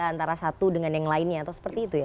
antara satu dengan yang lainnya atau seperti itu ya